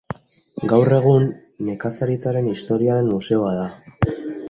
Gaur egun nekazaritzaren historiaren museoa da.